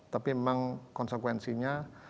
tapi memang konsekuensinya